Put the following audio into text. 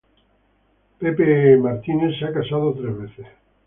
Greg Brown se ha casado tres veces.